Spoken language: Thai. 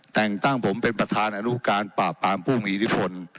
แต่งตั้งผมเป็นประธานอนุการปราบปรามผู้มีอิทธิพล